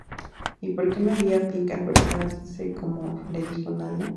Y porque no había "pink" al besarse, como le dijo Nadia.